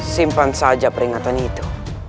simpan saja peringatan itu